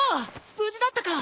無事だったか！